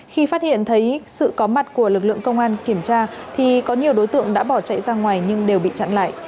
khi phát hiện thấy sự có mặt của lực lượng công an kiểm tra thì có nhiều đối tượng đã bỏ chạy ra ngoài nhưng đều bị chặn lại